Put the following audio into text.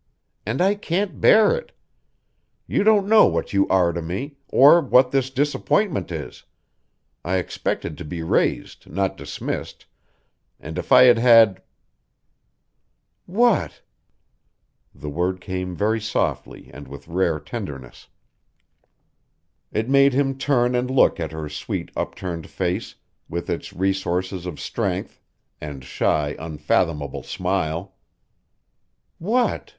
And I can't bear it. You don't know what you are to me, or what this disappointment is. I expected to be raised, not dismissed, and if I had had " [Illustration: "Grace, you have misunderstood me"] "What?" The word came very softly, and with rare tenderness. It made him turn and look at her sweet, upturned face, with its resources of strength and shy, unfathomable smile. "What?"